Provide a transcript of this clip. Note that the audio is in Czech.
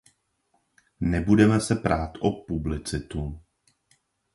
Nebudeme se prát o publicitu.